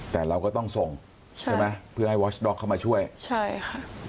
แต่เราก็ต้องส่งใช่ไหมเพื่อให้วอชด็อกเข้ามาช่วยใช่ค่ะ